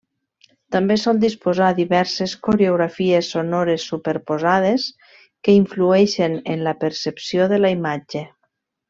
També sol disposar diverses coreografies sonores superposades, que influeixen en la percepció de la imatge.